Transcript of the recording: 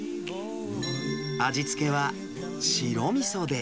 味付けは白みそで。